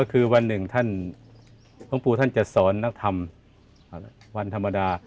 คือวันหนึ่งหลวงปู่จะสอนนักธรรมวันธรรมดา